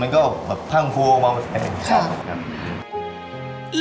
มันก็พังคัวมั่น